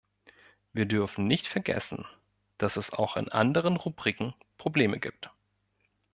Wir dürfen nicht vergessen, dass es auch in anderen Rubriken Probleme gibt.